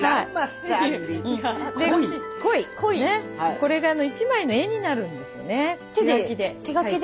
これが１枚の絵になるんですよね手書きで。